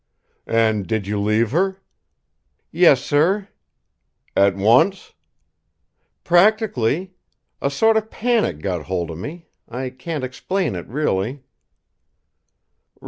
"And did you leave her?" "Yes, sir." "At once?" "Practically. A sort of panic got hold of me. I can't explain it, really."